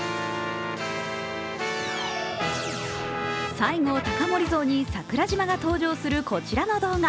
西郷隆盛像に桜島が登場するこちらの動画。